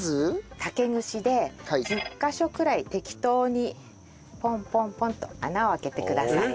竹串で１０カ所くらい適当にポンポンポンと穴を開けてください。